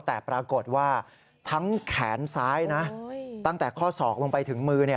แต่ปรากฏว่าทั้งแขนซ้ายนะตั้งแต่ข้อศอกลงไปถึงมือ